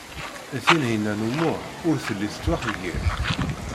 Tinhinan u Muḥ ur telli tettwaxeyyeb.